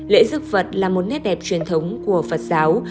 lễ giúp phật là một nét đẹp truyền thống của phật giáo